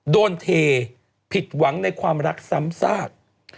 โดนเทผิดหวังในความรักซ้ำซาก